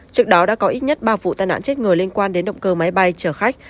trước đó đã có ít nhất ba vụ tai nạn chết người liên quan đến động cơ máy bay chở khách